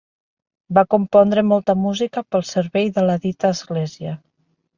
Va compondre molta música pel servei de la dita església.